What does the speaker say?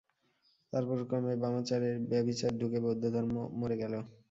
তারপর ক্রমে বামাচারের ব্যভিচার ঢুকে বৌদ্ধধর্ম মরে গেল।